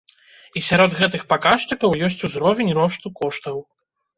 І сярод гэтых паказчыкаў ёсць узровень росту коштаў.